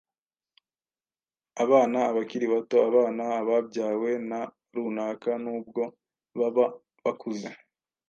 abana abakiri bato, abana ababyawe na runaka n’ubwo baba bakuze